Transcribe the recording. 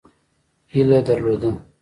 هیله درلوده.